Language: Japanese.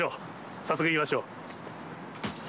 早速、行きましょう。